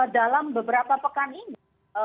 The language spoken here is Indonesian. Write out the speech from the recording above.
dalam beberapa pekan ini